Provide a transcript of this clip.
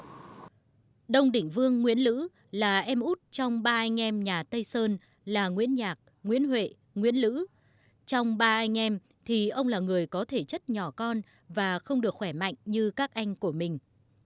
trong ba anh em thì ông là người có thể chất nhỏ con và không được khỏe mạnh như các anh của mình